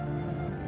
ya apalagi sama lu